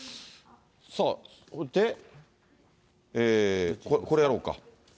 さあ、で、これやろうか。